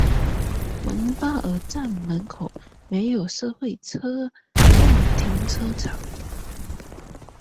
蒙巴尔站门口设有社会车辆停车场。